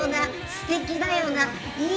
すてきだよな。